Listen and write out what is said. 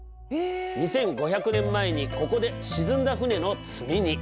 ２，５００年前にここで沈んだ船の積み荷。